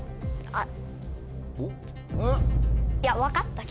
あっ！